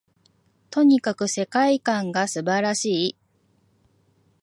とにかく世界観が素晴らしい